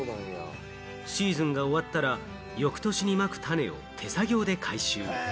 シーズンが終わったら翌年にまく種を手作業で回収。